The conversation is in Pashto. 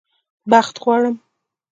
بخت غواړم